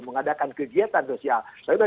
mengadakan kegiatan sosial saya sudah